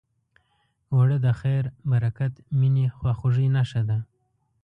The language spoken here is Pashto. اوړه د خیر، برکت، مینې، خواخوږۍ نښه ده